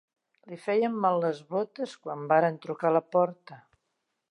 Li feien mal les botes, quan varen trucar a la porta.